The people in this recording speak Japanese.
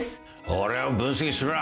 俺を分析するな。